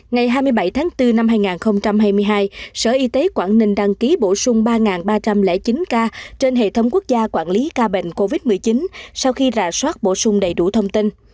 ngày hai mươi bảy tháng bốn năm hai nghìn hai mươi hai sở y tế quảng ninh đăng ký bổ sung ba ba trăm linh chín ca trên hệ thống quốc gia quản lý ca bệnh covid một mươi chín sau khi rà soát bổ sung đầy đủ thông tin